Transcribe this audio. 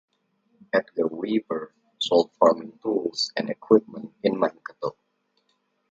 Edgar Weaver sold farming tools and equipment in Mankato.